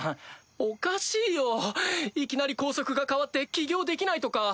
おかしいよいきなり校則が変わって起業できないとか。